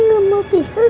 enggak akan pisah